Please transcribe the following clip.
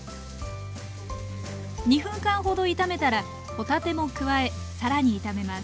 ２分間ほど炒めたら帆立ても加えさらに炒めます